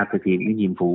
thực hiện những nhiệm vụ